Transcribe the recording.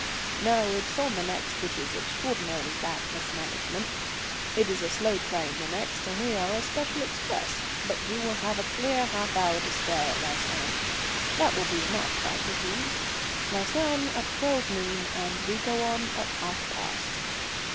"No, it is on the next, which is extraordinarily bad mismanagement. It is a slow train the next, and we are a special express. But you will have a clear half hour to spare at Lausanne. That will be enough, I presume? Lausanne at 12 noon, and we go on at half past."